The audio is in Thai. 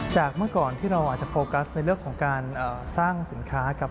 เมื่อก่อนที่เราอาจจะโฟกัสในเรื่องของการสร้างสินค้ากับ